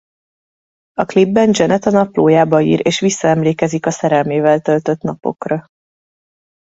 A klipben Janet a naplójába ír és visszaemlékezik a szerelmével töltött napokra.